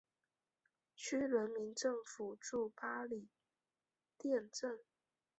区人民政府驻八里店镇。